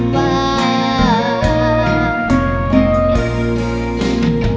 ขอบคุณครับ